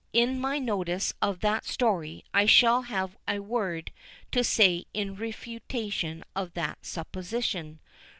In my notice of that story, I shall have a word to say in refutation of that supposition.